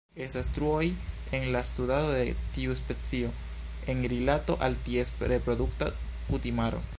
Estas truoj en la studado de tiu specio en rilato al ties reprodukta kutimaro.